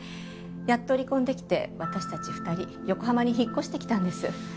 やっと離婚できて私たち２人横浜に引っ越してきたんです。